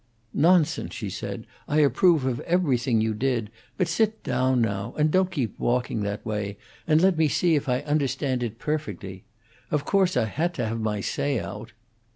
"Nonsense," she said. "I approve of everything you did. But sit down, now, and don't keep walking that way, and let me see if I understand it perfectly. Of course, I had to have my say out."